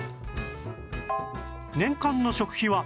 年間の食費は